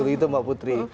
itu mbak putri